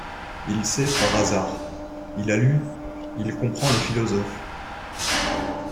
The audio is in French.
Il sait, par hasard ! Il a lu ; il comprend les philosophes.